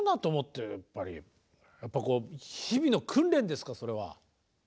やっぱこう日々の訓練ですかそれは。